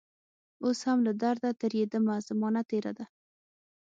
اوس هم له درده تیریدمه زمانه تیره ده